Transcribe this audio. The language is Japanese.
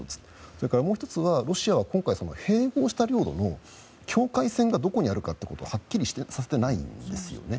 それから、もう１つはロシアは、今回併合した領土の境界線がどこにあるかということをはっきりさせてないんですよね。